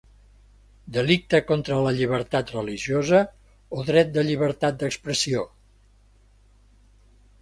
Delicte contra la llibertat religiosa o dret de llibertat d'expressió?